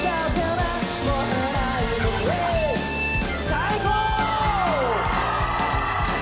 最高！